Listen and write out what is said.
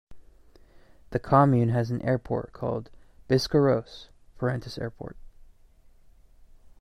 The commune has an airport, called Biscarrosse - Parentis Airport.